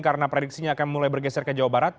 karena prediksinya akan mulai bergeser ke jawa barat